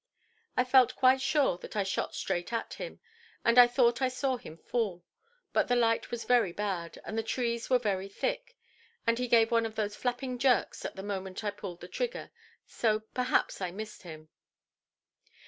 I felt quite sure that I shot straight at him, and I thought I saw him fall; but the light was very bad, and the trees were very thick, and he gave one of those flapping jerks at the moment I pulled the trigger, so perhaps I missed him".